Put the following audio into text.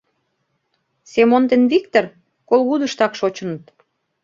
Семон ден Виктыр Колгудыштак шочыныт.